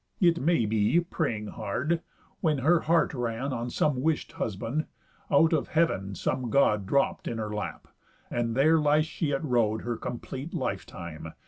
It may be, praying hard, when her heart ran On some wish'd husband, out of heav'n some God Dropp'd in her lap; and there lies she at road Her cómplete life time.